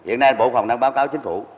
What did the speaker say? hiện nay bộ phòng đang báo cáo chính phủ